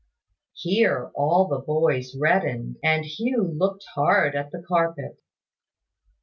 Here all the boys reddened, and Hugh looked hard at the carpet.